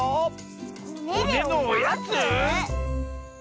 ほねのおやつ？